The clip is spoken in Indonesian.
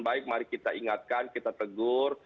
baik mari kita ingatkan kita tegur